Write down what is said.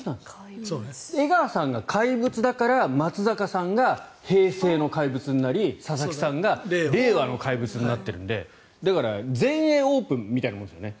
江川さんが怪物だから昭和の怪物になって佐々木さんが令和の怪物になってるんでだから、全英オープンみたいなものですよね。